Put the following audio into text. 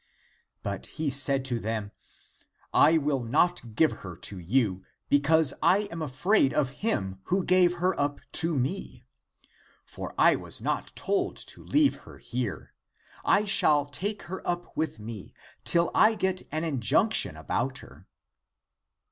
But he said to them, I will not give her to you, because I am afraid of him who gave her 276 THE APOCRYPHAL ACTS up to me. For I was not told to leave her here; I shall take her up with me, till I get an injunction about her.